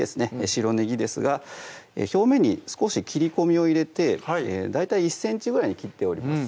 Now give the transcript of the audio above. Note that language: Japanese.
白ねぎですが表面に少し切り込みを入れて大体１ｃｍぐらいに切っております